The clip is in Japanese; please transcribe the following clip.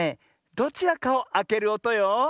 どちらかをあけるおとよ。